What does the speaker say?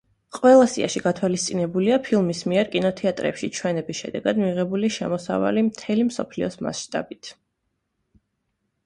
ყველა სიაში, გათვალისწინებულია ფილმის მიერ კინოთეატრებში ჩვენების შედეგად მიღებული შემოსავალი მთელი მსოფლიოს მასშტაბით.